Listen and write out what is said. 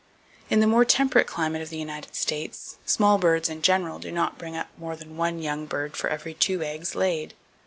In the more temperate climate of the United States small birds, in general, do not bring up more than one young bird for every two eggs laid.